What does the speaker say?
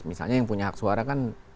misalnya yang punya hak suara kan